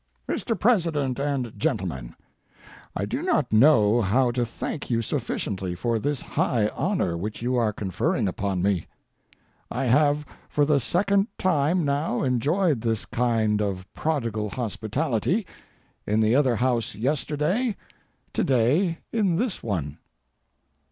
MR. PRESIDENT AND GENTLEMEN,—I do not know how to thank you sufficiently for this high honor which you are conferring upon me. I have for the second time now enjoyed this kind of prodigal hospitality—in the other House yesterday, to day in this one.